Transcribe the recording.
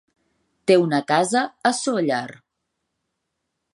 Té una casa a Sóller.